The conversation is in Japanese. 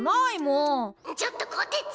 「ちょっとこてち！